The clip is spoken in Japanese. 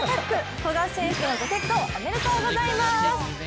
古賀選手とのご結婚、おめでとうございます！